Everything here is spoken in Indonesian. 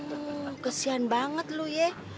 oh kesian banget lu ya